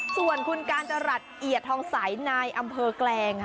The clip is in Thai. ส่วนคุณการจรรหัสเอียดทองสายในอำเภอกแกรง